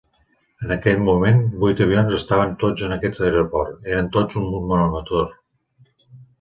En aquell moment, vuit avions estaven tots en aquest aeroport, eren tots un monomotor.